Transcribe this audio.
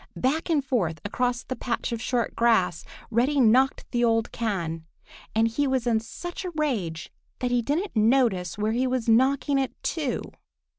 Back and forth across the patch of short grass Reddy knocked the old can, and he was in such a rage that he didn't notice where he was knocking it to.